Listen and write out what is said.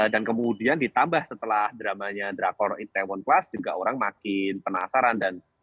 dan kemudian ditambah setelah dramanya drakor itaewon class juga orang makin penasaran dan